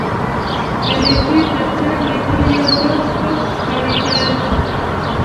د نېټې تر څنګ لېکل یو ډول سپک ښکارېدل.